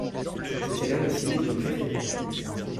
C'était l'un de ses livres préférés.